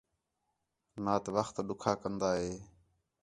نات وخت ݙُکھا کندا ہِے